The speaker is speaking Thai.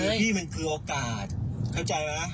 พี่มันคือโอกาสเข้าใจไหม